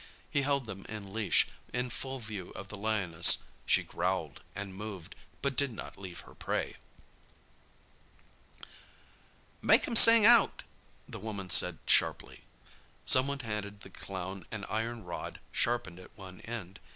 He held them in leash, in full view of the lioness. She growled and moved, but did not leave her prey. "Make 'em sing out!" the woman said sharply. Someone handed the clown an iron rod sharpened at one end.